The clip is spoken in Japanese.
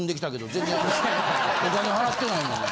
お金払ってないもん。